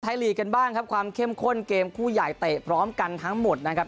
ลีกกันบ้างครับความเข้มข้นเกมคู่ใหญ่เตะพร้อมกันทั้งหมดนะครับ